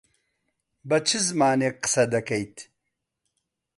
بە چ زمانێک قسە دەکەیت؟